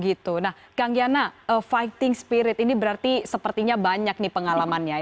gitu nah kang yana fighting spirit ini berarti sepertinya banyak nih pengalamannya